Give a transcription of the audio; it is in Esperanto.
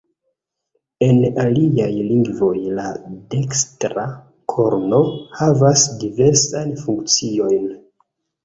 En aliaj lingvoj la dekstra korno havas diversajn funkciojn.